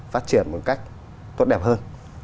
phát triển một cách tốt đẹp hơn